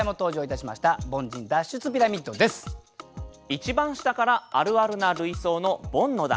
一番下からあるあるな類想のボンの段。